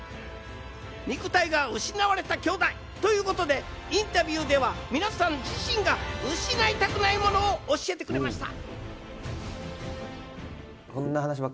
肉体が失われた兄弟ということで、インタビューでは皆さん自身が失いたくないものを教えてくれました。